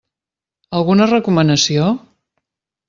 Alguna recomanació?